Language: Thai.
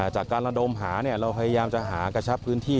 จากการระดมหาเราพยายามจะหากระชับพื้นที่